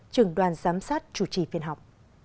trường đoàn giám sát chủ trì phiên học